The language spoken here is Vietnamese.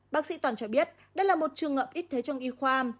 bác sĩ toàn cho biết đây là một trường hợp ít thế trong y khoa